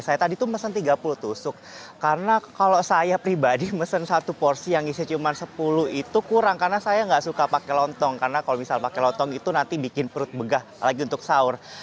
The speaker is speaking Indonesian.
saya tadi itu mesen tiga puluh tusuk karena kalau saya pribadi mesen satu porsi yang isi cuma sepuluh itu kurang karena saya nggak suka pakai lontong karena kalau misal pakai lontong itu nanti bikin perut begah lagi untuk sahur